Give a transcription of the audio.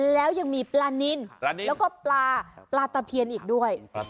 แล้วยังมีปลานินแล้วก็ปลาปลาตะเพียนอีกด้วย